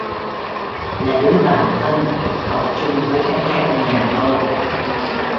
là đứa bạn thân học chung với cái thanh nhà tôi